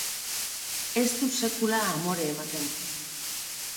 Ez du sekula amore ematen.